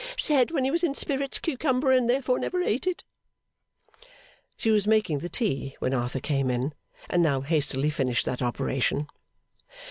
said when he was in spirits Cucumber and therefore never ate it.' She was making the tea when Arthur came in, and now hastily finished that operation.